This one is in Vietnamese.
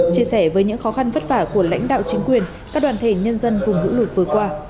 chia sẻ với những khó khăn vất vả của lãnh đạo chính quyền các đoàn thể nhân dân vùng lũ lụt vừa qua